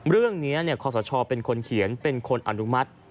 เรื่องนี้ขอสะชอเป็นคนเขียนเป็นคนอนุมัติ